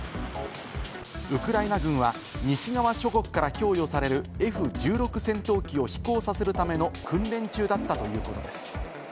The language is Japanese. ウクライナ軍は西側諸国から供与されるＦ１６戦闘機を飛行させるための訓練中だったということです。